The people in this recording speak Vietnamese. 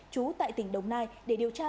trú tại tỉnh đồng nai để điều tra